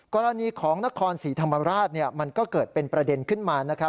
กรณีของนครศรีธรรมราชมันก็เกิดเป็นประเด็นขึ้นมานะครับ